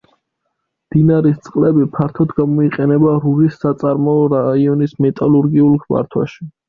მდინარის წყლები ფართოდ გამოიყენება რურის საწარმოო რაიონის მეტალურგიულ მართვაში.